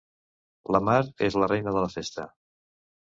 La Mar és la reina de la festa.